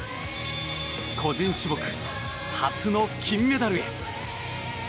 個人種目初の金メダルへ。